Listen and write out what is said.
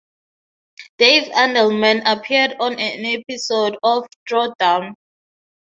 Dave Andelman appeared on an episode of Throwdown!